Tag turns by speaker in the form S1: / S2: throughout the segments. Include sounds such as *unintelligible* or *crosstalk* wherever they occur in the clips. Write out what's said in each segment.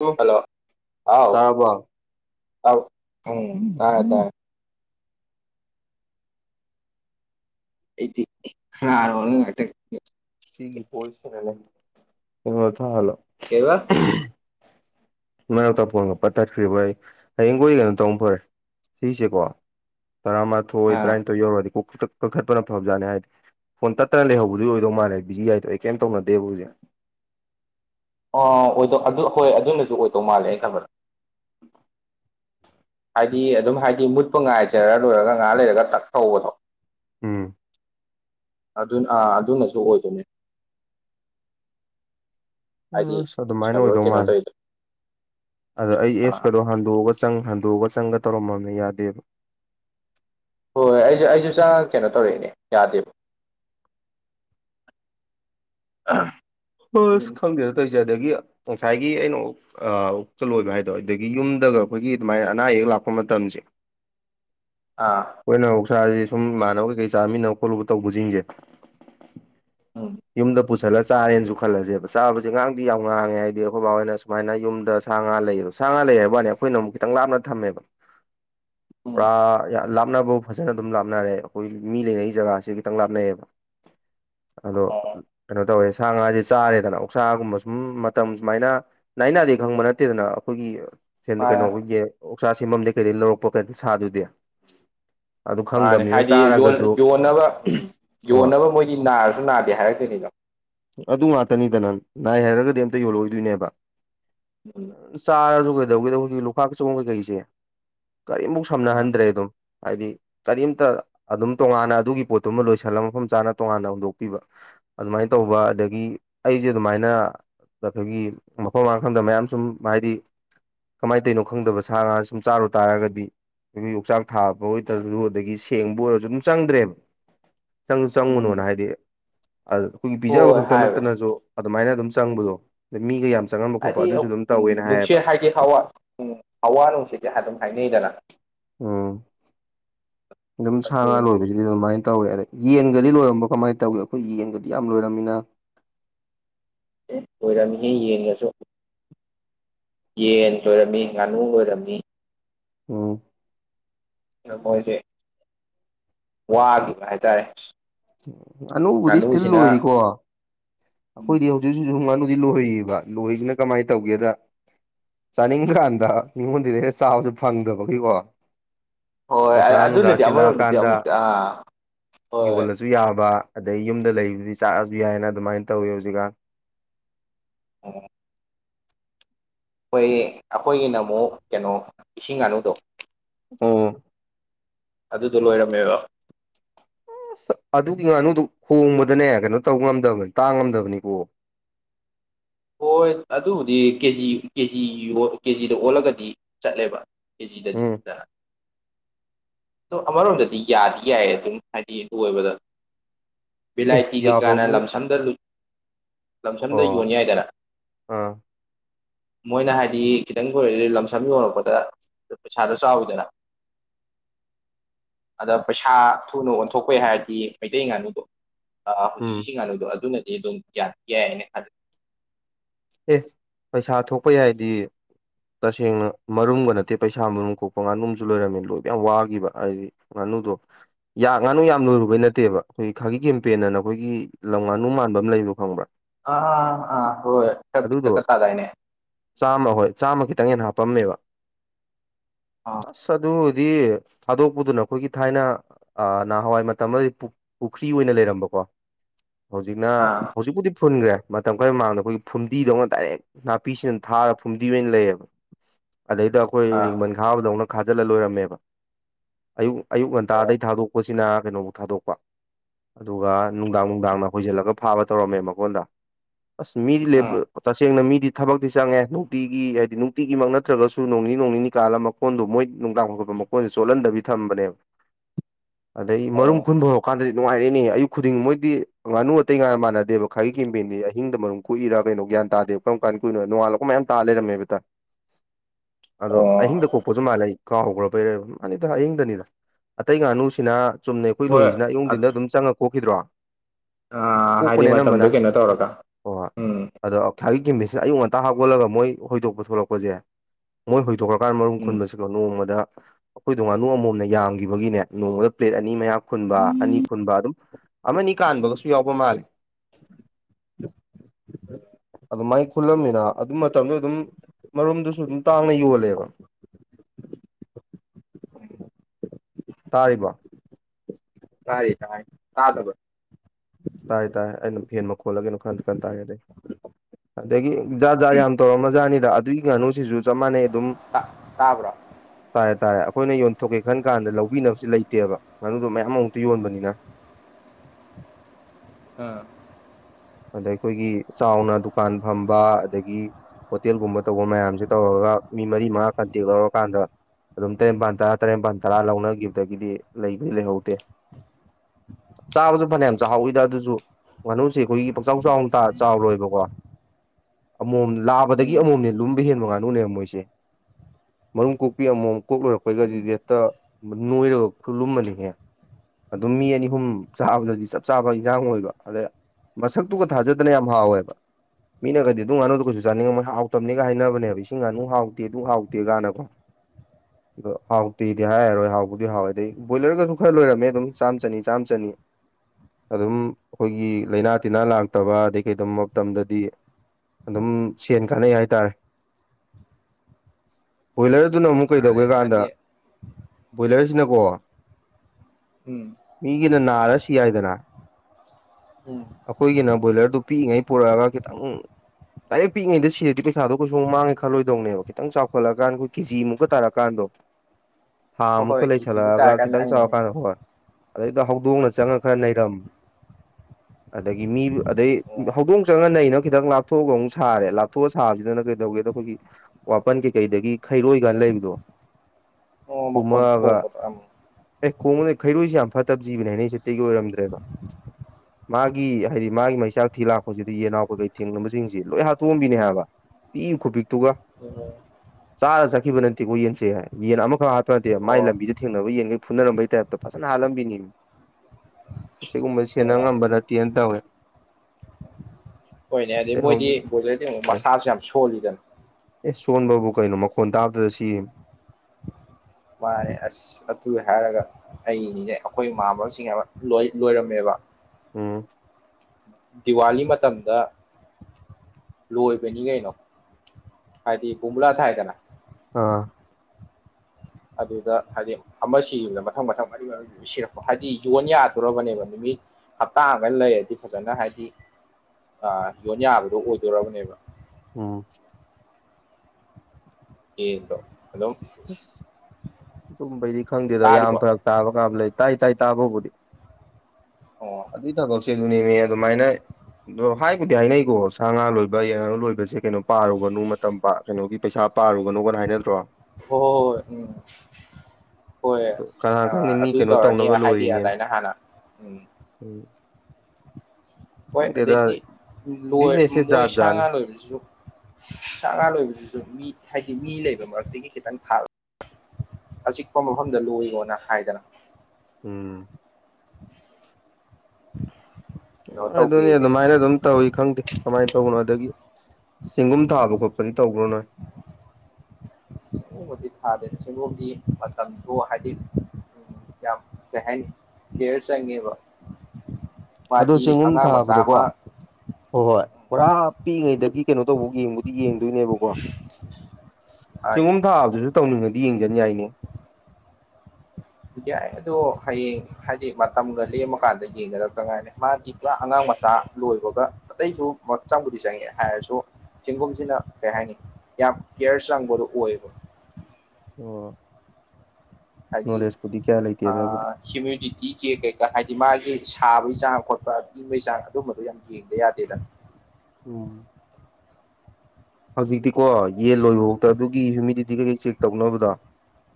S1: ꯑꯣ
S2: ꯍꯜꯂꯣ
S1: ꯇꯥꯔꯕꯣ
S2: ꯍꯥꯎꯥꯎ ꯎꯝ ꯇ ꯑꯩꯗꯤ ꯀꯅꯥꯔꯣꯅ ꯉꯥꯛꯇ
S1: ꯁꯤꯣꯏꯁꯤꯃꯊ ꯍꯜꯂꯣ
S2: ꯀꯕ
S1: ꯎꯝ ꯃꯣꯛꯛꯇ ꯐꯣꯟ ꯀꯛꯄ ꯇꯠꯈ꯭ꯔꯤꯕ ꯑꯩ ꯍꯌꯦꯡ ꯀꯣꯏꯏꯒꯩꯅꯣ ꯇꯧ ꯐꯔꯦ ꯁꯤꯁꯦꯀꯣ ꯇꯔꯝꯃꯠ ꯑꯊꯣꯏ
S2: ꯑꯥ
S1: ꯇꯔꯥꯅꯤꯊꯣꯏ ꯌꯧꯔꯨꯔꯗꯤ ꯀꯣꯛ ꯀꯛꯊꯠꯄꯅ ꯐꯕꯖꯥꯅꯦ ꯍꯥꯏꯗꯤ ꯐꯣꯟ ꯇꯠꯇꯅ ꯂꯩꯍꯧꯕꯗꯨꯗꯤ ꯑꯣꯏꯗꯧ ꯃꯥꯜꯂꯦ ꯕꯤꯖꯤ ꯌꯥ ꯍꯥꯏꯗꯣ ꯑꯩ ꯀꯩꯝ ꯇꯧꯅꯗꯦꯕ ꯍꯧꯖꯤꯦ
S2: ꯑ ꯑꯣꯏꯗ ꯑꯗꯨ ꯍꯣꯏ ꯑꯗꯨꯅꯁꯨ ꯑꯣꯏꯗꯧ ꯃꯥꯜꯂꯦ ꯑ ꯈꯟꯕꯗ ꯍꯥꯏꯗꯤ ꯑꯗꯨꯝ ꯍꯥꯏꯗꯤ ꯃꯨꯠꯄ ꯉꯥꯏꯖꯔ ꯂꯣꯏꯔꯒ ꯉꯥ ꯂꯩꯔꯒ ꯇꯛ ꯊꯧꯕꯗꯣ
S1: ꯎꯝ
S2: ꯑꯗꯨ ꯑꯗꯨꯅꯁꯨ ꯑꯣꯏꯗꯣꯏꯅꯦ ꯍꯥꯏꯗꯤ
S1: ꯑꯁ ꯑꯗꯨꯃꯥꯏꯅ
S2: ꯁꯔꯚꯔ
S1: ꯑꯣꯏꯗꯧ
S2: ꯀꯩꯅꯣ
S1: ꯃꯥꯜꯂꯦ
S2: ꯇꯧꯔꯤꯗꯣ
S1: ꯑꯗ ꯑꯩ
S2: ꯑꯥ
S1: ꯑꯦꯞꯁꯀꯗꯣ ꯍꯥꯡꯗꯣꯛꯑꯒ ꯆꯪ ꯍꯟꯗꯣꯛꯑꯒ ꯆꯪꯒ ꯇꯧꯔꯝꯝꯕꯅ ꯌꯥꯗꯦꯕ
S2: ꯍꯣꯏ ꯍꯣꯏ ꯑꯩꯁꯨꯦ ꯑꯩꯁꯨ ꯆ ꯀꯩꯅꯣ ꯇꯧꯔꯛꯑꯦꯅꯦ ꯌꯥꯗꯦꯕ
S1: ꯑꯣꯏꯁ ꯈꯪꯗꯦꯗ ꯇꯧꯔꯤꯁꯦ ꯑꯗꯒꯤ ꯉꯁꯥꯏꯒꯤ ꯑꯩꯅ ꯑ ꯆ ꯂꯣꯏꯕ ꯍꯥꯏꯗꯣ ꯑꯗꯒꯤ ꯌꯨꯝꯗꯒ ꯑꯩꯈꯣꯏꯒꯤ ꯑꯗꯨꯃꯥꯏꯅ ꯑꯅꯥ ꯑꯌꯦꯛ ꯂꯥꯛꯄ ꯃꯇꯝꯁꯦ *unintelligible*
S2: ꯑꯥ
S1: ꯑꯩꯈꯣꯏꯅ ꯍꯧꯧꯁꯁꯤ ꯁꯨꯝ ꯏꯃꯥꯟꯅꯕ ꯀꯩꯀꯩ ꯆꯥꯃꯤꯟꯅꯕ ꯈꯣꯠꯂꯨꯕ ꯇꯧꯕꯁꯤꯡꯁꯦ
S2: ꯎꯝ
S1: ꯌꯨꯝꯗ ꯄꯨꯁꯂ ꯆꯥꯔꯦꯟ ꯆ ꯈꯜꯂꯁꯦꯕ ꯆꯥꯕꯁꯦ ꯉꯥꯡꯗꯤ ꯌꯥꯝ ꯉꯥꯡꯉꯦ ꯍꯥꯏꯗꯤ ꯑꯩꯈꯣꯏ ꯕꯥ ꯍꯣꯏꯅ ꯁꯨꯃꯥꯏꯅ ꯌꯨꯝꯗ ꯁꯥ ꯉꯥ ꯂꯩꯌꯦꯣ ꯁꯥ ꯉꯥ ꯂꯩꯔ ꯍꯥꯏꯕ ꯋꯥꯅꯤ ꯑꯩꯈꯣꯏꯅ ꯑꯃꯨꯛ ꯈꯤꯇꯪ ꯂꯥꯞꯅ ꯊꯝꯃꯦꯕ
S2: ꯎꯝ
S1: ꯄꯨꯔꯥ ꯂꯥꯞꯅꯕꯥꯎ ꯐꯖꯅ ꯑꯗꯨꯝ ꯂꯥꯞꯅꯔꯦ ꯑꯩꯈꯣꯏ ꯃꯤ ꯂꯩꯅꯔꯤ ꯖꯒꯥꯁꯦ ꯈꯤꯇꯪ ꯂꯥꯞꯅꯩꯌꯦꯕ ꯑꯗꯣ
S2: ꯑꯣ
S1: ꯀꯩꯅꯣ ꯇꯧꯋꯦ ꯁꯥ ꯉꯥꯁꯦ ꯆꯥꯔꯦꯗꯅ ꯑꯣꯛꯁꯥꯒꯨꯝꯕ ꯁꯨꯝ ꯃꯇꯝ ꯁꯨꯃꯥꯏꯅ ꯂꯅꯥꯏꯅꯥꯗꯤ ꯈꯪꯕ ꯅꯠꯇꯦꯗꯅ ꯑꯩꯈꯣꯏꯒꯤ
S2: ꯃꯥꯅꯦ
S1: ꯀꯩꯅꯣꯒꯤ ꯑꯣꯛꯆꯥ ꯁꯦꯝꯃꯝꯗꯒꯤꯩ ꯀꯩꯗꯩ ꯂꯧꯔꯛꯄ ꯀ ꯁꯥꯗꯨꯗꯤ ꯑꯗꯨ
S2: ꯃꯥꯅꯦ
S1: ꯈꯪꯗꯕꯅꯤꯅ
S2: ꯍꯥꯏꯗꯤ
S1: ꯆꯥꯔꯒꯁꯨ
S2: ꯌꯣꯟꯅꯕ ꯎꯝ
S1: ꯍꯣꯏ
S2: ꯌꯣꯟꯅꯕ ꯃꯣꯏꯗꯤ ꯅꯥꯔꯁꯨ ꯅꯥꯗꯦ ꯍꯥꯏꯔꯛꯇꯣꯏꯅꯤꯗꯣ
S1: ꯑꯗꯨ ꯉꯥꯛꯇꯅꯤꯗ ꯅ ꯅꯥꯏ ꯍꯥꯏꯔꯒꯗꯤ ꯑꯝꯇ ꯌꯣꯜꯂꯛꯑꯣꯏꯗꯣꯏꯅꯦꯕ
S2: ꯎꯝ
S1: ꯆꯥꯔꯁꯨ ꯀꯩꯗꯧꯒꯦꯗ ꯍꯧꯖꯤꯛ ꯂꯣꯛꯈꯥꯛ ꯆꯆꯕ ꯀꯩꯀꯩꯁꯦ ꯀꯔꯤꯃꯨꯛ
S2: ꯑꯥ
S1: ꯁꯝꯅꯍꯟꯗ꯭ꯔꯦ ꯑꯗꯨꯝ ꯍꯥꯏꯗꯤ ꯀꯔꯤꯝꯇ ꯑꯗꯨꯝ ꯇꯣꯉꯥꯟꯅ ꯑꯗꯨꯒꯤ ꯄꯣꯠꯇꯨꯃ ꯂꯣꯏꯁꯤꯜꯂꯒ ꯃꯐꯝ ꯆꯥꯅ ꯇꯣꯉꯥꯟꯅ ꯍꯨꯟꯗꯣꯛꯄꯤꯕ ꯑꯗꯨꯃꯥꯏꯅ ꯇꯧꯕ ꯑꯗꯒꯤ ꯑꯒꯤ ꯑꯩꯁꯦ ꯑꯗꯨꯃꯥꯏꯅ ꯑꯩꯈꯣꯏꯒꯤ ꯃꯐꯝ ꯃꯥꯡꯈꯟꯗ ꯃꯌꯥꯝ ꯁꯨꯝ ꯍꯥꯏꯗꯤ ꯀꯃꯥꯏꯅ ꯇꯧꯅꯣ ꯈꯪꯗꯕ ꯁꯥ ꯉꯥ ꯁꯨꯝ ꯆꯥꯔꯨ ꯇꯥꯔꯒꯗꯤ ꯑꯩꯈꯣꯏ ꯌꯣꯡꯆꯥꯛ ꯊꯥꯕ ꯑꯣꯏꯇꯔꯁꯨ ꯑꯗꯒꯤ ꯁꯦꯡꯕ ꯑꯣꯏꯔꯁꯨ ꯑꯗꯨꯝ ꯆꯪꯗ꯭ꯔꯦꯕ ꯆꯪꯁꯨ
S2: ꯎꯝ
S1: ꯆꯪꯉꯨꯅꯣꯅ ꯍꯥꯏꯗꯤ ꯑ ꯑꯩꯈꯣꯏꯒꯤ ꯄꯤꯖꯕ
S2: ꯍꯣꯏ
S1: ꯈꯛ
S2: ꯍꯥꯏꯕ
S1: ꯑꯗꯨꯃꯥꯏꯅ ꯑꯗꯨꯝ ꯆꯪꯕꯗꯣ ꯑꯗ ꯃꯤꯒ ꯌꯥꯝ ꯆꯪꯉꯝꯕ ꯈꯣꯠꯄ
S2: ꯍꯥꯏꯗꯤ
S1: ꯑꯗꯨꯁꯨ ꯑꯗꯨꯝ
S2: ꯎꯝ
S1: ꯇꯧꯋꯦꯅ ꯍꯥꯏꯌꯦꯕ
S2: ꯅꯨꯡꯁꯤꯠ ꯍꯥꯏꯗꯤ ꯍꯋꯥ ꯎꯝ ꯍꯋꯥ ꯅꯨꯡꯁꯤꯠ ꯑꯗꯨꯝ ꯍꯥꯏꯅꯩꯗꯅ
S1: ꯎꯝ ꯑꯗꯨꯝ ꯁꯥꯡꯉ
S2: ꯑꯗꯨ
S1: ꯂꯣꯏꯗꯣꯏ ꯑꯗꯨꯃꯥꯏꯅ ꯇꯧꯋꯦ ꯑꯗ ꯌꯦꯟꯒꯗꯤ ꯂꯣꯏꯔꯝꯕ ꯀꯃꯥꯏꯅ ꯇꯧꯒꯦ ꯑꯩꯈꯣꯏ ꯌꯦꯟꯒꯗꯤ ꯌꯥꯝ ꯂꯣꯏꯔꯝꯃꯤꯅ
S2: ꯑꯦ ꯑꯣꯏꯣꯏꯔꯝꯃꯤꯍꯦ ꯌꯦꯡꯉꯁꯨ ꯌꯦꯟ ꯂꯣꯏꯔꯝꯃꯤ ꯉꯥꯅꯨ ꯂꯣꯏꯔꯝꯃꯤ
S1: ꯎꯝ
S2: ꯃꯣꯏꯁꯦ ꯋꯥꯈꯤꯕ ꯍꯥꯏꯇꯥꯔꯦ
S1: ꯑꯅꯧꯕꯗꯤ ꯏꯁꯇꯤꯜ
S2: ꯉꯥꯅꯨꯁꯤꯅ
S1: ꯂꯣꯏꯔꯤꯀꯣ ꯑꯩꯈꯣꯏꯗꯤ ꯍꯧꯖꯤꯛ ꯍꯧꯖꯤꯛꯁꯤꯁꯨ ꯍꯨ ꯉꯥꯅꯨꯗꯤ ꯂꯣꯏꯔꯤꯑꯕ ꯂꯣꯏꯒꯅ ꯀꯃꯥꯏꯅ ꯇꯧꯒꯦꯗ ꯆꯥꯅꯤꯡꯕ ꯀꯥꯟꯗ ꯃꯤꯉꯣꯟꯗꯤꯗ ꯍꯦꯟꯅ ꯆꯥꯕꯁꯨꯦ ꯐꯪꯗꯕꯒꯤꯀꯣ
S2: ꯍꯣꯏ
S1: ꯄꯩꯁꯥ ꯅꯨꯡꯁꯥ
S2: ꯑꯗꯨꯅꯗꯤ ꯑꯃꯔꯣꯝꯗꯗꯤ
S1: ꯆꯤꯜꯂꯛꯑꯀꯥꯟꯗ
S2: ꯑꯃꯨꯛ ꯑꯥ ꯍꯣꯏ
S1: ꯌꯣꯜꯂꯁꯤ ꯁꯨ ꯌꯥꯕ ꯑꯗꯩ ꯌꯨꯝꯗ ꯂꯩꯕꯗꯤ ꯆꯥꯔꯁꯨ ꯌꯥꯏꯅ ꯑꯗꯨꯃꯥꯏꯅ ꯇꯧꯋꯤ ꯍꯧꯖꯤꯛꯀꯥꯟ
S2: ꯑꯣ ꯑꯩꯈꯣꯏ ꯑꯩꯈꯣꯏꯒꯤꯅ ꯑꯃꯨꯛ ꯀꯩꯅꯣ ꯏꯁꯤꯡ ꯉꯥꯅꯨꯗꯣ
S1: ꯑꯣ
S2: ꯑꯗꯨꯗꯣ ꯂꯣꯏꯔꯝꯃꯦꯕ
S1: ꯑꯁ ꯑꯗꯨꯒꯤ ꯉꯥꯅꯨꯗꯨ ꯍꯣꯡꯕꯗꯅꯦ ꯀꯩꯅꯣ ꯇꯧꯕ ꯉꯝꯗꯕꯅꯤ ꯇꯥꯡ ꯉꯝꯗꯕꯅꯤꯀꯣ
S2: ꯍꯣꯏ ꯑꯗꯨꯕꯨꯗꯤ ꯀꯦꯖꯤ ꯀꯦꯖꯤ ꯀꯦꯖꯤꯗ ꯑꯣꯜꯂꯒꯗꯤ ꯆꯠꯂꯦꯕ ꯀꯦꯖꯤꯗ
S1: ꯎꯝ
S2: ꯑꯗꯣ ꯑꯃꯔꯣꯝꯗꯗꯤ ꯌꯥꯗꯤ ꯌꯥꯏꯌꯦ ꯑꯗꯨꯝ ꯍꯥꯏꯗꯤ ꯂꯣꯏꯕꯗ
S1: ꯑꯦ
S2: ꯚꯤꯂꯥꯏꯇꯤ ꯀꯩꯀꯥꯅ
S1: ꯌꯥꯕꯕꯨ
S2: ꯂꯝꯁꯝꯗ ꯂꯝꯁꯝꯗ
S1: ꯍꯣꯏ
S2: ꯌꯣꯟ ꯌꯥꯏꯗꯅ
S1: ꯑꯥ
S2: ꯃꯣꯏꯅ ꯍꯥꯏꯗꯤ ꯈꯤꯇꯪ ꯀꯣꯏꯔꯛ ꯂꯝꯁꯝ ꯌꯣꯉꯛꯄꯗ ꯄꯩꯁꯥꯗꯣ ꯆꯥꯎꯋꯤꯗꯅ ꯑꯗ ꯄꯩꯁꯥ ꯊꯨꯅ ꯑꯣꯟꯊꯣꯛꯄꯩ ꯍꯥꯏꯔꯗꯤ ꯃꯩꯇꯩ ꯉꯥꯅꯨꯗꯣ ꯑ ꯍꯧꯖꯤꯛ
S1: ꯎꯝ
S2: ꯏꯁꯤꯡ ꯉꯥꯅꯨꯗꯣ ꯑꯗꯨꯅꯗꯤ ꯑꯗꯨꯝ ꯌꯥ ꯌꯥꯏꯅꯦ
S1: ꯑꯦ ꯄꯩꯁꯥ ꯊꯣꯛꯄ ꯌꯥꯏꯗꯤ ꯇꯁꯦꯡꯅ ꯃꯔꯨꯝꯒ ꯅꯠꯇꯦ ꯄꯩꯁꯥ ꯃꯔꯨꯝ ꯀꯣꯛꯄ ꯉꯥꯅꯝꯁꯨ ꯂꯩꯣꯏꯔꯝꯃꯦ ꯂꯣꯏꯅ ꯌꯥꯝ ꯋꯥꯈꯤꯕ ꯍꯥꯏꯗꯤ ꯉꯅꯨꯗꯣ ꯌꯥ ꯉꯥꯅꯨ ꯌꯥꯝ ꯂꯣꯏꯔꯨꯕꯩ ꯅꯠꯇꯦꯕ ꯑꯩꯈꯣꯏ ꯈꯥꯒꯤ ꯀꯦꯝꯄꯦꯅ ꯑꯩꯈꯣꯏꯒꯤ ꯂꯝ ꯉꯥꯅꯨ ꯃꯥꯟꯕ ꯑꯃ ꯂꯩꯕ ꯈꯪꯕ꯭ꯔꯥ
S2: ꯑ ꯑꯥ ꯑꯥ ꯍꯣꯏ ꯈꯔ
S1: ꯑꯗꯨꯗꯣ
S2: ꯄꯤꯛꯇꯛꯀ ꯇꯥꯗꯥꯏꯅꯦ
S1: ꯆꯥꯝꯃ ꯍꯣꯏ ꯆꯥꯝꯃ ꯈꯤꯇꯪ ꯍꯦꯟꯅ ꯍꯥꯞꯄꯝꯃꯦꯕ
S2: ꯑ
S1: ꯑꯁ ꯑꯗꯨꯗꯤ ꯊꯥꯗꯣꯛꯄꯗꯨꯅ ꯑꯩꯈꯣꯏꯒꯤ ꯊꯥꯏꯅ ꯑ ꯅꯍꯥꯟꯋꯥꯏ ꯃꯇꯝꯗꯗꯤ ꯄꯨꯈ꯭ꯔꯤ ꯑꯣꯏꯅ ꯂꯩꯔꯝꯕꯀꯣ ꯍꯧꯖꯤꯛꯅ
S2: ꯑꯥ
S1: ꯍꯧꯖꯤꯛꯄꯨꯗꯤ ꯐꯨꯟꯈ꯭ꯔꯦ ꯃꯇꯝ ꯈꯔ ꯃꯥꯡꯗ ꯑꯩꯈꯣꯏ ꯐꯇꯤꯗꯧꯅ ꯗꯥꯏꯔꯦꯛ ꯅꯥꯄꯤꯁꯤꯅ ꯊꯥꯔ ꯐꯨꯝꯗꯤ ꯑꯣꯏꯅ ꯂꯩꯌꯦꯕ ꯑꯗꯩꯗ ꯑꯩꯈꯣꯏ
S2: ꯑꯥ
S1: ꯊꯥꯕꯗꯧꯅ ꯈꯥꯖꯤꯜꯂ ꯂꯣꯏꯔꯝꯃꯦꯕ ꯑꯌꯨꯛ ꯑꯌꯨꯛ
S2: ꯑꯣ
S1: ꯉꯟꯇꯥꯗꯩ ꯊꯥꯗꯣꯛꯄꯁꯤꯅ ꯀꯩꯅꯣꯕꯨꯧ ꯊꯥꯗꯣꯛꯄ ꯑꯗꯨꯒ ꯅꯨꯡꯗꯥꯡ ꯅꯨꯡꯗꯥꯡꯅ ꯍꯣꯏꯖꯤꯜꯂꯒ ꯐꯥꯕ ꯇꯧꯔꯝꯃꯦ ꯃꯉꯣꯟꯗ ꯑꯁ ꯃꯤꯗꯤ ꯂ
S2: ꯎꯝ
S1: ꯑꯣ ꯇꯁꯦꯡꯅ ꯃꯤꯗꯤ ꯊꯕꯛꯇꯤ ꯆꯪꯉꯦ ꯅꯨꯡꯇꯤꯒꯤ ꯍꯥꯏꯗꯤ ꯅꯨꯡꯇꯤꯒꯤꯃꯛ ꯅꯠꯇ꯭ꯔꯒꯁꯨ ꯅꯣꯡ ꯅꯤ ꯅꯣꯡ ꯅꯤꯅꯤ ꯀꯥꯜꯂꯝꯃ ꯃꯈꯣꯟꯗꯣ ꯃꯣꯏ ꯅꯨꯡꯗꯥꯡ ꯈꯠꯄ ꯃꯈꯣꯟꯁ ꯆꯣꯠꯍꯟꯗꯕꯤ ꯊꯝꯕꯅꯦꯕ ꯑꯗꯩ
S2: ꯑꯣ
S1: ꯃꯔꯨꯝ ꯈꯨꯟꯕ ꯍꯧꯔꯛꯀꯥꯟꯗꯗꯤ ꯅꯨꯡꯉꯥꯏꯔꯦꯅꯦ ꯑꯌꯛꯗꯤꯡ ꯃꯣꯏꯗꯤ ꯉꯥꯅꯨ ꯑꯇꯩ ꯉꯥ ꯃꯥꯟꯅꯗꯦꯕ ꯈꯥꯏꯔꯒꯤ ꯀꯦꯝꯄꯦꯟꯗꯤ ꯑꯍꯤꯡꯗ ꯃꯔ ꯀꯣꯛꯏ ꯀꯩꯅꯣ ꯒ꯭ꯌꯥꯟ ꯇꯗꯦ ꯀꯔꯝ ꯀꯥꯟ ꯀꯨꯏꯅꯣ ꯅꯣꯉꯥꯜꯂꯄ ꯃꯌꯥꯝ ꯇꯥ ꯂꯩꯔꯝꯃꯦꯕꯇ ꯑꯗꯣ
S2: ꯑꯣ
S1: ꯑꯍꯤꯡꯗ ꯀꯣꯛ ꯄꯣꯁꯨ ꯃꯥꯜꯂꯦ ꯀꯥꯎ ꯍꯧꯈ꯭ꯔꯕꯩꯔ ꯃꯥꯅꯤꯗ ꯍꯌꯦꯡꯗꯅꯤꯗ ꯑꯇꯩ ꯉꯥꯅꯨꯁꯤꯅ ꯆꯨꯝꯅ ꯑꯩꯈꯣꯏ
S2: ꯍꯣꯏ
S1: ꯂꯣꯏꯔꯤꯁꯤꯅ ꯑꯌꯨꯡꯊꯤꯟꯗ ꯑꯗꯨꯝ ꯆꯪꯉ ꯀꯣꯛꯈꯤꯗ꯭ꯔꯣ
S2: ꯑ ꯍꯥꯏꯗꯤ ꯃꯇꯝꯗꯨꯣ ꯀꯩꯅꯣ ꯇꯧꯔꯒ
S1: ꯍ ꯍꯣꯏ
S2: ꯎꯝ
S1: ꯑꯗꯣ ꯈꯒꯤ ꯀꯤꯝꯃꯦꯠꯁꯤꯅ ꯑꯌꯨꯛ ꯉꯟꯇꯥ ꯍꯥꯞꯒꯠꯂꯒ ꯃꯣꯏ ꯍꯣꯏꯗꯣꯛꯄ ꯊꯣꯛꯂꯛꯄꯁꯦ ꯃꯣꯏ ꯍꯣꯏꯗꯣꯛꯈ꯭ꯔꯀꯥꯟꯗ ꯃꯔꯨꯝ
S2: ꯎꯝ
S1: ꯈꯨꯟꯕꯁꯤꯀꯣ ꯅꯣꯡꯃꯗ ꯑꯩꯈꯣꯏꯗꯣ ꯉꯥꯅꯨ ꯑꯃꯃꯝꯅ ꯌꯥꯝꯈꯤꯕꯒꯤꯅꯦ ꯅꯣꯡꯃꯗ ꯄ꯭ꯂꯦꯠ ꯑꯅꯤ ꯃꯌꯥ ꯈꯨꯟꯕ ꯑꯅꯤ ꯈꯨꯟꯕ ꯑꯗꯨꯝ ꯑꯃꯅꯤ ꯀꯥꯟꯕꯒꯁꯨ ꯌꯥꯎꯕ ꯃꯥꯜꯂꯦ ꯑꯗꯨꯃꯥꯏꯅ ꯈꯨꯜꯂꯝꯃꯤꯅ ꯑꯗꯨ ꯃꯇꯝꯗꯣ ꯑꯗꯨꯝ ꯃꯔꯨꯝꯗꯨꯁꯨ ꯑꯗꯨꯝ ꯇꯥꯡꯅ ꯌꯣꯜꯂꯦꯕ ꯇꯥꯔꯤꯕ
S2: ꯁꯔꯤ ꯇꯥꯏ ꯀꯥ ꯇꯕ
S1: ꯇꯥꯏ ꯇꯥꯏ ꯑꯩꯅ ꯐꯦꯟ ꯃꯈ ꯈꯣꯠꯂꯒꯦꯅꯣ ꯈꯟꯁꯨ ꯈꯟ ꯇꯥꯏꯔꯦꯗꯗꯤ ꯑꯗꯒꯤ ꯖꯥꯠ ꯖꯥꯠ ꯌꯥꯝ ꯇꯧꯔꯝꯕꯖꯥꯠꯅꯤꯗ ꯑꯗꯨꯒꯤ ꯉꯥꯅꯨꯁꯤꯁꯨ ꯆꯞ ꯃꯥꯟꯅꯩ ꯑꯗꯨꯝ
S2: ꯇꯥꯕ꯭ꯔꯣ
S1: ꯇꯥꯔꯦ ꯇꯥꯔꯦ ꯑꯩꯈꯣꯏꯅ ꯌꯣꯟꯊꯣꯛꯀꯦ ꯈꯟ ꯀꯥꯟꯗ ꯂꯧꯕꯤꯅꯕꯁꯨ ꯂꯩꯇꯦꯕ ꯃꯗꯣ ꯃꯌꯥꯝ ꯑꯃꯨꯛꯇ ꯌꯣꯟꯕꯅꯤꯅ
S2: ꯑꯝ
S1: ꯑꯗ ꯑꯩꯈꯣꯏꯒꯤ ꯆꯥꯎꯅ ꯗꯨꯀꯥꯟ ꯐꯝꯕ ꯑꯗꯒꯤ ꯍꯣꯇꯦꯜꯒꯨꯝꯕ ꯇꯧꯕ ꯃꯌꯥꯝꯁꯦ ꯇꯧꯔꯒ ꯃꯤ ꯃꯔꯤ ꯃꯉꯥ ꯀꯟꯇꯦꯛ ꯂꯧꯔꯀꯥꯟꯗ ꯑꯗꯨꯝ ꯇꯔꯦꯅꯤꯄꯥꯥꯟ ꯇꯔꯥ ꯇꯔꯦꯠꯅꯤꯄꯥꯜ ꯇꯔꯥ ꯂꯧꯅꯈꯤꯕꯗꯒꯤꯗꯤ ꯂꯩꯕꯨꯗꯤ ꯂꯩꯍꯧꯗꯦ ꯆꯥꯕꯁꯨ ꯐꯅꯌꯥꯝ ꯆꯥꯍꯧꯋꯤꯗ ꯑꯗꯨꯁꯨ ꯉꯥꯅꯨꯁꯤ ꯑꯩꯈꯣꯏꯒꯤ ꯄꯥꯛꯆꯥꯎ ꯆꯥꯎꯅ ꯇ ꯆꯥꯎꯔꯣꯏꯕꯀꯣ ꯑꯃꯣꯝ ꯂꯥꯛꯕꯗꯒꯤ
S2: ꯎꯝ
S1: ꯑꯃꯣꯝꯅꯦ ꯂꯨꯝꯕ ꯍꯦꯟꯕ ꯉꯥꯅꯨꯅꯦꯕ ꯃꯣꯏꯁꯦ ꯃꯔꯨꯝ ꯀꯣꯛꯄꯤ ꯑꯃꯨꯃꯝ ꯀꯣꯛ ꯂꯣꯏꯔꯛꯄꯩꯒꯁꯤꯗꯤ ꯍꯦꯛꯇ ꯅꯣꯏꯔꯒ ꯈꯨꯠ ꯂꯨꯝꯃꯅꯤꯉꯦ ꯑꯗꯨꯝ ꯃꯤ ꯑꯅꯤ ꯑꯍꯨꯝ ꯆꯥꯕꯗꯗꯤ ꯆꯞ ꯆꯥꯕ ꯏꯟꯖꯥꯡ ꯑꯣꯏꯕ ꯑꯗ ꯃꯁꯛꯇꯨꯒ ꯊꯥꯖꯗꯅ ꯌꯥꯝ ꯍꯥꯎꯋꯦꯕ ꯃꯤꯅꯒꯩꯗꯤ ꯑꯗꯨꯝ ꯉꯥꯅꯨꯗ ꯀꯩꯁꯨ ꯆꯥꯅꯤꯡꯉ ꯃꯣꯏ ꯍꯥꯎꯇꯕꯅꯤꯒ ꯍꯥꯏꯅꯕꯅꯦꯕ ꯏꯁꯤꯡ ꯉꯥꯅꯨ ꯍꯥꯎꯗꯦ ꯑꯗꯨꯝ ꯍꯥꯎꯇꯦ ꯀꯥꯏꯅꯀꯣ ꯑꯗꯣ ꯍꯥꯎꯇꯤꯗꯤ ꯍꯥꯏꯔꯔꯣꯏ ꯍꯥꯎꯕꯕꯨꯗꯤ ꯍꯥꯎꯋꯦ ꯑꯗꯩ ꯕꯣꯏꯂꯔꯒꯁꯨ ꯈꯔ ꯂꯣꯏꯔꯝꯃꯦ ꯑꯗꯨꯝ ꯆꯥꯝ ꯆꯅꯤ ꯆꯥꯝ ꯆꯅꯤ ꯑꯗꯨꯝ ꯑꯩꯈꯣꯏꯒꯤ ꯂꯩꯥꯏꯅꯥ ꯇꯤꯟꯅꯥ ꯂꯥꯛꯇꯕ ꯑꯗꯩ ꯀꯩꯗꯧ ꯃꯇꯝꯗꯗꯤ ꯑꯗꯨꯝ ꯁꯦꯟ ꯀꯥꯟꯅꯩ ꯍꯥꯏꯇꯥꯔꯦ ꯕꯣꯏꯂꯔꯗꯨꯅ ꯑꯃꯨꯛ
S2: ꯃꯥꯅꯦ
S1: ꯀꯩꯗꯧꯒꯦ ꯀꯥꯟꯗ
S2: ꯍꯥꯏꯗꯤ
S1: ꯕꯣꯏꯂꯔꯁꯤꯅꯀꯣ
S2: ꯎꯝ
S1: ꯃꯤꯒꯤꯅ ꯅꯥꯔꯁꯨ ꯌꯥꯏꯗꯅ
S2: ꯎꯝ
S1: ꯑꯩꯈꯣꯏꯒꯤꯅ ꯕꯣꯏꯂꯔꯗꯨ ꯄꯤꯛꯏꯉꯩ ꯄꯨꯔꯛꯑꯒ ꯈꯤꯇꯪ ꯗꯥꯏꯦꯛ ꯄꯤꯛꯏꯉꯩꯗ ꯁꯤꯔꯗꯤ ꯄꯩꯁꯥꯣ ꯀꯩꯁꯨ ꯃꯥꯡꯦ ꯈꯜꯂꯣꯏꯗꯧꯅꯦꯕ ꯈꯤꯇꯪ ꯆꯥꯎꯈꯠꯂꯑꯀꯥꯟ ꯑꯩꯈ ꯀꯦꯖꯤꯃꯨꯛ ꯇꯥꯔꯀꯥꯟꯗꯣ ꯊꯥ
S2: ꯍꯣꯏ
S1: ꯑꯃꯨꯛꯀ
S2: ꯍꯣꯏ ꯀꯤꯁꯤꯕꯨ
S1: ꯂꯩꯁꯜꯂꯛꯑꯒ
S2: ꯇꯥꯔꯀꯥꯟꯗ
S1: ꯈꯤꯇꯪ
S2: ꯑꯪ
S1: ꯆꯥꯎꯔꯀꯥꯟꯗ ꯍꯣ ꯑꯗꯩꯗ ꯍꯧꯗꯣꯡꯅ ꯆꯪꯉ ꯈꯔ ꯅꯩꯔꯝ ꯑꯗꯒꯤ ꯃꯤ ꯑꯗꯩ ꯍꯧꯗꯣꯡ ꯆꯪꯍꯟꯅ ꯑꯩꯅꯣ ꯈꯤꯇꯪ ꯂꯥꯞꯊꯣꯛꯑꯒ ꯑꯃꯨꯛ ꯁꯥꯔꯦ ꯂꯥꯞꯊꯣꯛꯑ ꯁꯥꯕꯁꯤꯗꯅ ꯀꯩꯗꯧꯒꯦꯗ ꯑꯩꯈꯣꯏꯒꯤ ꯋꯥꯄꯟ ꯀꯩꯀꯩꯗꯒꯤ ꯈꯩꯔꯣꯏ ꯀꯥꯟꯅ ꯂꯩꯕꯗꯣ
S2: ꯑꯣ ꯃꯈꯣꯟ
S1: ꯀꯨꯃꯒ
S2: ꯈꯣꯡꯕꯗꯣ ꯑꯪ
S1: ꯑꯦ ꯀꯨꯝꯃꯅꯤ ꯈꯩꯔꯨꯁꯤ ꯌꯥꯝ ꯐꯠꯇꯕ ꯖꯤꯕꯅꯦ ꯍꯥꯏꯅꯩꯁꯦꯇꯩꯒꯤ ꯑꯣꯏꯔꯝꯗ꯭ꯔꯦꯕ ꯃꯥꯒꯤ ꯍꯥꯏꯗꯤ ꯃꯥꯒꯤ ꯃꯩꯆꯥꯛ ꯊꯤ ꯂꯥꯛꯄꯁꯤꯗ ꯌꯦꯟꯅꯥꯎ ꯀꯩꯀꯩ ꯊꯦꯡꯅꯕꯁꯤꯡꯁꯤ ꯂꯣꯏ ꯍꯥꯠꯇꯣꯛꯑꯝꯕꯤꯅꯦ ꯍꯥꯏꯕ ꯃꯤ ꯈꯨ ꯄꯤꯛꯇꯨꯒ ꯆꯥꯔ ꯆꯠꯈꯤꯕ ꯅꯠꯇꯦꯀꯣ ꯌꯦꯟꯁꯦ ꯌꯦꯟ ꯑꯃꯈꯛ ꯍꯥꯞꯄ ꯅꯠꯇꯦ ꯃꯥꯏ
S2: ꯍꯣꯏ
S1: ꯂꯝꯕꯤꯗ ꯊꯦꯡꯅꯕ ꯌꯦꯟꯒꯩ ꯐꯨꯅꯔꯝꯕꯒꯤ ꯇꯥꯏꯞꯇ ꯐꯖꯅ ꯍꯥꯜꯂꯝꯕꯤꯅꯤ ꯑꯁꯤꯒꯨꯝꯕ ꯁꯦꯟꯅ
S2: ꯑꯣ
S1: ꯉꯝꯕ ꯅꯠꯇꯦꯅ ꯇꯧꯋꯦ
S2: ꯍꯣꯏꯅꯦ ꯑꯗꯨꯗꯩ
S1: ꯑꯦ
S2: ꯃꯣꯏꯗꯤ
S1: ꯍꯧꯖꯤꯛ
S2: ꯗꯗꯤ
S1: ꯑꯣ
S2: ꯃꯁꯥꯁꯨ ꯌꯥꯝ ꯁꯣꯜꯂꯤꯗꯅ
S1: ꯑꯦ ꯁꯣꯟꯕꯕꯨ ꯀꯩꯅꯣ ꯃꯈꯣꯟ ꯇꯥꯕꯗꯗ ꯁꯤ
S2: ꯃꯥꯅꯦ ꯑꯁ ꯑꯗꯨ ꯍꯥꯏꯔꯒ ꯑꯩꯅꯤꯅꯦ ꯑꯩꯈꯣꯏ ꯏꯃꯥꯅꯕꯁꯤꯡ ꯍꯥꯏꯕ ꯂꯣꯏꯔꯝꯃꯦꯕ
S1: ꯎꯝ
S2: ꯗꯤꯋꯥꯂꯤ ꯃꯇꯝꯗ ꯂꯣꯏꯕꯅꯤ ꯀꯩꯅꯣ ꯍꯥꯏꯗꯤ ꯕꯨꯝꯕꯂꯥ ꯊꯥꯏꯗꯅ
S1: ꯑꯥ
S2: ꯑꯗꯨꯗ ꯍꯥꯏꯗꯤ ꯑꯃ ꯁꯤꯕꯗ ꯃꯊꯪ ꯃꯊꯪ ꯋꯥꯔꯤ ꯁꯤꯔꯛꯄ ꯍꯥꯏꯗꯤ ꯌꯣꯟ ꯌꯥꯗꯣꯔꯕꯅꯦꯕ ꯅꯨꯃꯤꯠ ꯍꯞꯇꯥꯒ ꯂꯩꯔꯗꯤ ꯐꯖꯅ ꯍꯥꯏꯗꯤ ꯑ ꯌꯣꯟ ꯌꯥꯕꯗꯣ ꯑꯣꯏꯗꯣꯔꯔꯕꯅꯦꯕ
S1: ꯎ
S2: ꯌꯦꯗꯣ ꯑꯗꯨꯝ
S1: ꯑꯁ ꯑꯗꯨꯝꯕꯩꯗꯤ ꯈꯪꯗꯦꯗ ꯌꯥꯝ
S2: ꯇꯥꯔꯤꯕꯣ
S1: ꯐꯔꯛ ꯇꯥꯕꯒ ꯂꯩ ꯇꯥꯏ ꯇꯥꯏ ꯇꯥꯕꯕꯨꯗꯤ
S2: ꯑꯣ
S1: ꯑꯗꯨꯏ ꯊꯧꯕꯛꯁꯦ ꯑꯗꯨꯅꯦꯅꯦ ꯑꯗꯨꯃꯥꯏꯅ ꯑꯗꯣ ꯍꯥꯏꯕꯨꯗꯤ ꯍꯥꯏꯅꯩꯀꯣ ꯁꯥ ꯉꯥ ꯂꯣꯏꯕ ꯌꯦꯟ ꯉꯥꯅꯨ ꯂꯣꯏꯕꯁꯦ ꯀꯩꯅꯣ ꯄꯥꯔꯨꯕꯅꯨ ꯃꯇꯝ ꯄꯥ ꯀꯩꯅꯣꯒꯤ ꯄꯩꯁꯥ ꯄꯥꯔꯨꯒꯅꯣꯒꯅ ꯍꯥꯏꯅꯗ꯭ꯔꯣ
S2: ꯍꯣ ꯍꯣ ꯍꯣ ꯍꯣꯏ ꯎꯝ ꯍꯣꯏ
S1: ꯑꯗꯣ ꯀꯅꯥ
S2: ꯑ
S1: ꯈꯪꯅꯤ ꯃꯤ
S2: ꯑꯗꯨ
S1: ꯀꯩꯅꯣ
S2: ꯇꯧꯔꯅꯤ
S1: ꯇꯧꯅꯕ
S2: ꯍꯥꯏꯗꯤ
S1: ꯂꯣꯏꯔꯤꯅꯦꯅ
S2: ꯑꯗꯥꯏꯅ ꯍꯥꯟꯅ ꯎꯝ
S1: ꯎꯝ
S2: ꯍꯣꯏ
S1: ꯈꯪꯗꯦꯗ
S2: ꯑꯗꯩꯗꯤ ꯂꯣꯏ
S1: ꯕꯤꯖꯤꯅꯦꯁꯁꯦ
S2: ꯃꯣꯏ
S1: ꯖꯥꯠ
S2: ꯁꯥ
S1: ꯖꯥꯠꯅꯤ
S2: ꯉꯥ ꯂꯣꯏꯕꯁꯤꯁꯨ ꯆ ꯉꯥ ꯂꯣꯏꯕꯁꯤꯁꯨ ꯃꯤ ꯍꯥꯏꯗꯤ ꯃꯤ ꯂꯩꯕ ꯃꯔꯛꯇꯒꯤ ꯈꯤꯇꯪ ꯊꯥꯔ ꯑꯆꯤꯛꯄ ꯃꯐꯝꯗ ꯂꯣꯏꯔꯣꯅ ꯍꯥꯏꯗꯅ
S1: ꯎꯝ
S2: *unintelligible* ꯀꯩꯅꯣ
S1: ꯍꯣꯏ ꯑꯗꯨꯅꯤ
S2: ꯇꯧꯒꯦꯗꯤ
S1: ꯑꯗꯨꯃꯥꯏꯅ ꯑꯗꯨꯝ ꯇꯧꯏ ꯈꯪꯗꯦ ꯀꯃꯥꯏꯅ ꯇꯧꯕꯅꯣ ꯑꯗꯒꯤ ꯆꯦꯡꯒꯨꯝ ꯊꯥꯕ ꯈꯣꯠꯄꯗꯤ ꯇꯧꯕ꯭ꯔꯣ ꯅꯣꯏ
S2: ꯆꯦꯡꯒꯨꯝꯒꯗꯤ ꯊꯥꯗꯦꯗ ꯆꯦꯡꯒꯨꯝꯗꯤ ꯃꯇꯝꯁꯨ ꯍꯥꯏꯗꯤ ꯌꯥꯝ ꯀꯩ ꯍꯥꯏꯅꯤ ꯀꯤꯌꯔ ꯆꯪꯉꯦꯕ
S1: ꯑꯗꯣ
S2: ꯃꯥꯗꯤ
S1: ꯆꯦꯡꯒꯨꯝ
S2: ꯑꯉꯥꯡ ꯃꯆꯥ
S1: ꯊꯥꯕꯗꯣꯀꯣ
S2: ꯑꯃ
S1: ꯍꯣꯏ ꯍꯣꯏ ꯄꯨꯔꯥ ꯄꯤꯛꯉꯩꯗꯒꯤ ꯀꯩꯅꯣ ꯇꯧꯕꯧ ꯌꯦꯡꯕꯨꯗꯤ ꯌꯦꯡꯗꯣꯏꯅꯦꯕ ꯀꯣ ꯆꯦꯡꯒꯨꯝ ꯊꯥꯕꯗꯨꯁꯨ ꯇꯧꯅꯤꯡꯉꯗꯤ ꯌꯦꯡꯖꯟ ꯌꯥꯏꯅꯦ
S2: ꯌꯥꯏ ꯑꯗꯣ ꯍꯌꯦꯡ ꯍꯥꯏꯗꯤ ꯃꯇꯝꯒ ꯂꯦꯝꯃꯀꯥꯟꯗ ꯌꯦꯡꯒꯗꯕꯇ ꯉꯥꯏꯔꯦ ꯃꯥꯗꯤ ꯄꯨꯔꯥ ꯑꯉꯥꯡ ꯃꯆꯥ ꯂꯣꯏꯕꯒ ꯑꯇꯩꯁꯨ ꯃ ꯆꯪꯕꯨꯗꯤ ꯆꯪꯉꯦ ꯍꯥꯏꯔꯁꯨ ꯆꯦꯡꯒꯨꯝꯁꯤꯅ ꯀꯩ ꯍꯥꯏꯅꯤ ꯌꯥꯝ ꯀꯤꯌꯔ ꯆꯪꯕꯗꯨ ꯑꯣꯏꯌꯦꯕ
S1: ꯑꯣ
S2: ꯍꯥꯏꯗꯤ
S1: ꯅꯣꯂꯦꯖꯄꯨꯗꯤ ꯀꯌꯥ
S2: ꯊꯥ
S1: ꯂꯩꯇꯦꯗꯕꯨꯗꯤ
S2: ꯍꯤꯌꯨꯃꯤꯗꯤꯇꯤ ꯆꯦꯛ ꯀꯩꯀꯥ ꯍꯥꯏꯗꯤ ꯃꯥꯒꯤ ꯁꯥꯕꯩ ꯆꯥꯡ ꯈꯣꯠꯄ ꯏꯪꯕꯩ ꯆꯥꯡ ꯑꯗꯨꯝꯕꯗꯣ ꯌꯥꯝ ꯌꯦꯡꯗ ꯌꯥꯗꯦꯗ
S1: ꯎꯝ ꯍꯧꯖꯤꯛꯇꯤꯀꯣ ꯌꯦꯟ ꯂꯣꯏꯕꯕꯧꯗ ꯑꯗꯨꯒꯤ ꯍ꯭ꯌꯨꯃꯤꯗꯤꯇꯤ ꯀꯩꯀꯩ ꯆꯦꯛ ꯇꯧꯅꯕꯗ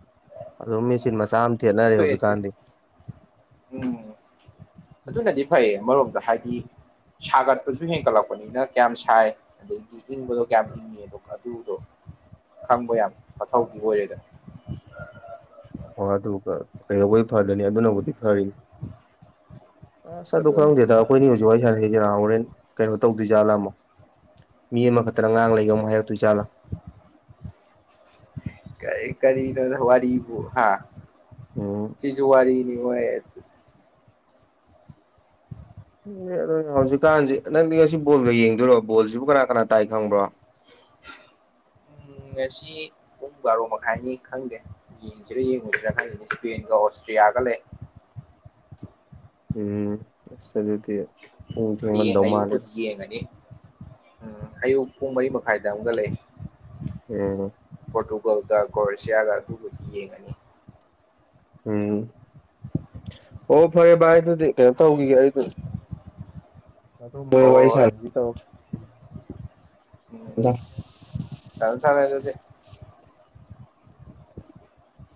S1: *inaudible* ꯑꯗꯨꯝ ꯃꯦꯆꯤꯟ
S2: ꯎꯝ
S1: ꯃꯆꯥ ꯑꯃ ꯊꯦꯠꯅꯔꯦ
S2: ꯊꯣꯛꯑꯦ ꯊꯣꯛꯑꯦ
S1: ꯍꯧꯖꯤꯛꯀꯥꯟꯗꯤ
S2: ꯐꯩ ꯑꯃꯔꯣꯝꯗ ꯍꯥꯏꯗꯤ ꯁꯥꯒꯠꯄꯁꯨ ꯍꯦꯟꯒꯠꯂꯛꯄꯅꯤꯅ ꯀꯌꯥꯝ ꯁꯥꯏ ꯑꯗꯒꯤ ꯏꯪꯕꯗꯣ ꯀꯌꯥꯝ ꯏꯪꯉꯤ ꯌꯦꯟꯗꯣ ꯀ ꯑꯗꯨꯗꯣ ꯈꯪꯕ ꯌꯥꯝ ꯃꯊꯧꯗꯤ ꯑꯣꯏꯔꯦꯗꯅ
S1: ꯑꯣ ꯍꯣꯏ ꯑꯗꯨꯒ ꯀꯩꯅꯣꯕꯨꯗꯤ ꯐꯗꯣꯏꯅꯤ ꯑꯗꯨꯅꯕꯨꯗꯤ ꯐꯔꯤꯅꯤ ꯑꯁ ꯑꯗꯨ
S2: ꯑꯗꯨꯅꯤ
S1: ꯈꯪꯗꯦꯗ ꯑꯩꯈꯣꯏꯅꯤ ꯍꯧꯖꯤꯛ ꯋꯥꯔꯤ ꯁꯥꯥꯟꯅꯩꯁꯦ ꯅꯥ ꯍꯣꯔꯦꯟ ꯀꯩꯅꯣ ꯇꯧꯗꯣꯏꯖꯥꯠꯂꯥ ꯑꯃꯣꯛ ꯃꯤ ꯑꯃꯈꯛꯇꯅ ꯉꯥꯡ ꯂꯩꯒ ꯃꯨꯛ ꯍꯥꯏꯔꯛꯇꯣꯏ ꯖꯥꯠꯂꯥ
S2: ꯀꯩ ꯀꯔꯤꯅꯣꯗ ꯋꯥꯔꯤꯕꯨ ꯍꯥ
S1: ꯎꯝ
S2: ꯁꯤꯖꯨ ꯋꯥꯔꯤꯅꯤ ꯍꯣꯏ
S1: *unintelligible* ꯍꯧꯖꯤꯛꯀꯥꯟꯖꯤ ꯅꯪꯗꯤ ꯉꯁꯤ ꯕꯣꯜꯒ ꯌꯦꯡꯗꯣꯏꯔꯣ ꯕꯣꯜꯖꯤꯕꯨ ꯀꯅꯥ ꯀꯅꯥ ꯇꯥꯏ ꯈꯪꯕ꯭ꯔꯣ
S2: ꯎꯝ ꯉꯁꯤ ꯄꯨꯡ ꯕꯥꯔꯣ ꯃꯈꯥꯏꯅꯤ ꯈꯪꯗꯦ ꯌꯦꯡꯁꯤꯔꯥ ꯌꯦꯡꯉꯣꯏꯁꯤꯔꯥ ꯈꯜꯂꯤꯅꯤ ꯏꯁꯄꯦꯟꯒ ꯑꯣꯁꯇ꯭ꯔꯤꯌꯥꯒ ꯂꯩ
S1: ꯎꯝ ꯑꯁ ꯑꯗꯨꯗꯤ ꯄꯨꯡ
S2: ꯍꯌꯦꯡ
S1: ꯊꯦꯡꯃꯟꯗꯧ
S2: ꯑꯌꯨꯛꯄꯨꯗꯤ
S1: ꯃꯥꯜꯂꯦꯗ
S2: ꯌꯦꯉꯅꯤ ꯎꯝ ꯑꯌꯨꯛ ꯄꯨꯡ ꯃꯔꯤ ꯃꯈꯥꯏꯗ ꯑꯃꯒ ꯂꯩ
S1: ꯎꯝ
S2: ꯄꯣꯔꯇꯨꯒꯜꯒ ꯀꯣꯔꯁꯤꯌꯥꯒ ꯑꯗꯨꯕꯨꯗꯤ ꯌꯦꯡꯉꯅꯤ
S1: ꯎꯝ ꯑꯣ ꯐꯔꯦ ꯚꯥꯏ ꯑꯗꯨꯗꯤ ꯀꯩꯅꯣ ꯇꯧꯈꯤꯒꯦ ꯑꯩ
S2: ꯍꯣꯏ
S1: *unintelligible*
S2: ꯎꯝ ꯊꯝꯃꯦ ꯊꯝꯃꯦ ꯑꯗꯨꯗꯤ